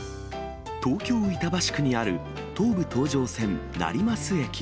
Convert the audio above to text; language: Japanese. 東京・板橋区にある東武東上線成増駅。